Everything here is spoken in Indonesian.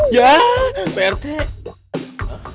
ya pak rt